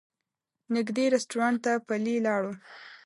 نږدې رسټورانټ ته پلي لاړو.